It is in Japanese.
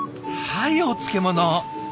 はいお漬物。